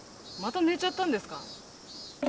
また寝ちゃったんですか？